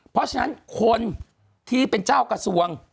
เพราะฉะนั้นคนที่เป็นเจ้ากระทรวง